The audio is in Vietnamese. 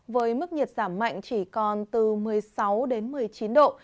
với mức nhiệt giảm mạnh chỉ còn từ một mươi sáu đến một mươi chín độ